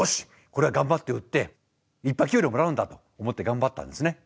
これは頑張って売っていっぱい給料をもらうんだと思って頑張ったんですね。